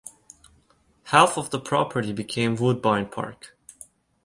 Half of the property became Woodbine Park.